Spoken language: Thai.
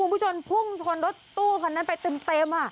ไปพังรถตู้คนนั้นไปเต็ม